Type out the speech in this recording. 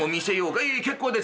「いえいえ結構です